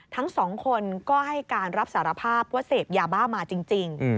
ทั้งสองคนก็ให้การรับสารภาพว่าเสพยาบ้ามาจริง